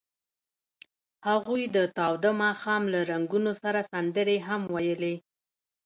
هغوی د تاوده ماښام له رنګونو سره سندرې هم ویلې.